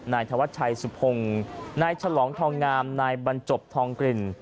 นายธวัชชัยสุพงศ์นายฉลองทองงามนายบรรจบทองกลิ่น